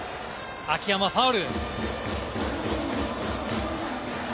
秋山、ファウル。